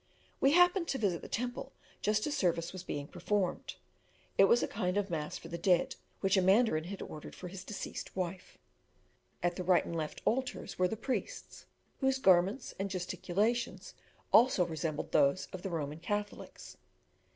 We happened to visit the temple just as service was being performed. It was a kind of mass for the dead, which a mandarin had ordered for his deceased wife. At the right and left altars were the priests, whose garments and gesticulations also resembled those of the Roman Catholics.